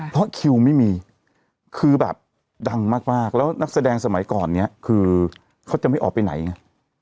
เพราะคิวไม่มีคือแบบดังมากแล้วนักแสดงสมัยก่อนเนี่ยคือเขาจะไม่ออกไปไหนไง